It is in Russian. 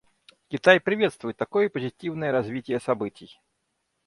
Китай приветствует такое позитивное развитие событий.